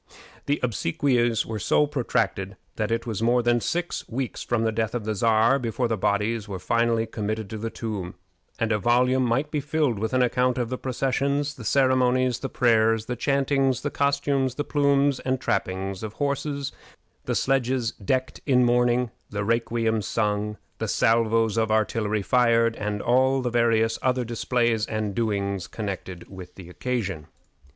The obsequies were so protracted that it was more than six weeks from the death of the Czar before the bodies were finally committed to the tomb; and a volume might be filled with an account of the processions, the ceremonies, the prayers, the chantings, the costumes, the plumes and trappings of horses, the sledges decked in mourning, the requiems sung, the salvos of artillery fired, and all the various other displays and doings connected with the occasion.